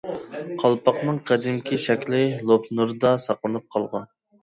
قالپاقنىڭ قەدىمكى شەكلى لوپنۇردا ساقلىنىپ قالغان.